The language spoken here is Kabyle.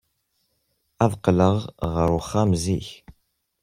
Ad d-qqleɣ ɣer uxxam zik.